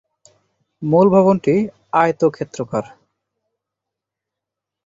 মূল ভবনটি আয়তক্ষেত্রাকার।